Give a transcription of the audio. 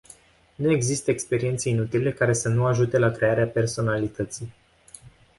Nu există experiențe inutile, care să nu ajute la crearea personalității.